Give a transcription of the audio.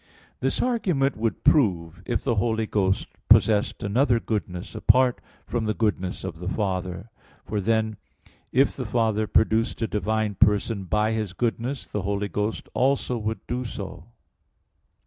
4: This argument would prove if the Holy Ghost possessed another goodness apart from the goodness of the Father; for then if the Father produced a divine person by His goodness, the Holy Ghost also would do so.